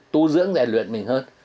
tu dưỡng rèn luyện mình hơn